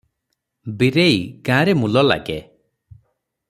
ବୀରେଇ ଗାଁରେ ମୂଲ ଲାଗେ ।